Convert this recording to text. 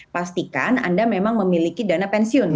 pastikan anda memang memiliki dana pensiun